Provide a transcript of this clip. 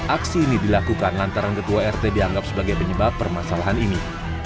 aksi ini dilakukan lantaran ketua rt dianggap sebagai penyebab permasalahan ini